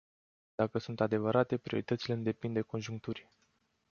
Dacă sunt adevărate, prioritățile nu depind de conjuncturi.